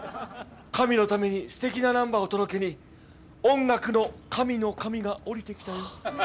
神のためにすてきなナンバーを届けに音楽の神の神が降りてきたよ。